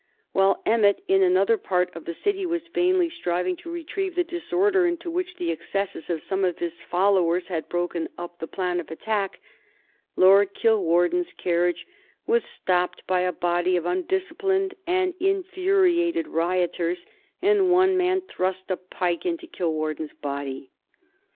While Emmet, in another part of the city, was vainly striving to retrieve the disorder into which the excesses of some of his followers had broken up the plan of attack, Lord Kilwarden's carriage was stopped by a body of undisciplined and infuriated rioters, and one man thrust a pike into Kilwarden's body.